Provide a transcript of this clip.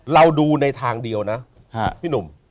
เราดูในทางเดียวนะพี่หนุ่ม